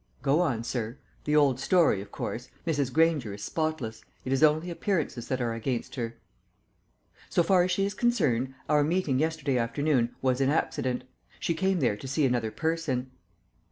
"Go on, sir. The old story, of course Mrs. Granger is spotless; it is only appearances that are against her." "So far as she is concerned, our meeting yesterday afternoon was an accident. She came there to see another person."